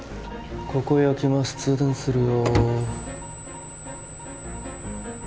ここ焼きます通電するよ